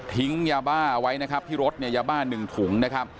ทิ้งยาบ้าไว้ที่รถอย่าบ้าหนึ่งถุง